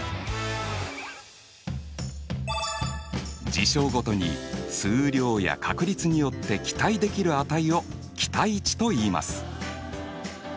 事象ごとに数量や確率によって期待できる値を期待値といいます。